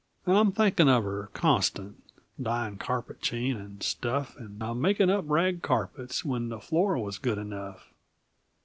And I'm thinkin' of her, constant, Dyin' carpet chain and stuff, And a makin' up rag carpets, When the floor was good enough!